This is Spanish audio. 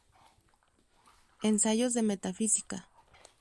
Ensayos de metafísica".